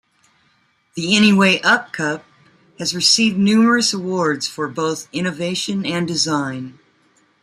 The Anywayup Cup has received numerous awards for both innovation and design.